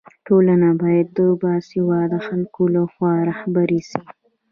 ټولنه باید د باسواده خلکو لخوا رهبري سي.